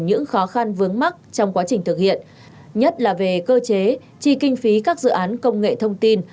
những khó khăn vướng mắt trong quá trình thực hiện nhất là về cơ chế chi kinh phí các dự án công nghệ thông tin